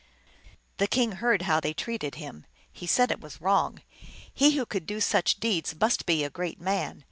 The king heard how they had treated him. He said it was wrong. He who could do such deeds must be a great man.